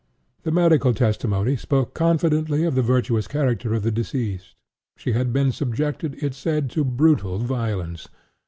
The medical testimony spoke confidently of the virtuous character of the deceased. She had been subjected, it said, to brutal violence.